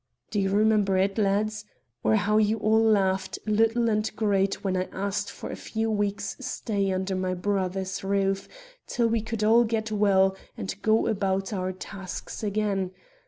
Do you remember it, lads? or how you all laughed, little and great, when I asked for a few weeks' stay under my brother's roof till we could all get well and go about our tasks again?